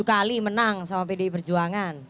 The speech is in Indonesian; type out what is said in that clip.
tujuh kali menang sama pdi perjuangan